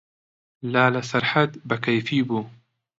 لالە سەرحەد بە کەیفی بوو.